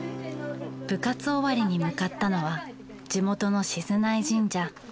部活終わりに向かったのは地元の静内神社。